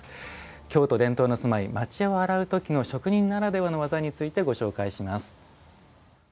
京都伝統の住まい町家を洗う時の職人ならではの技についてご紹介します。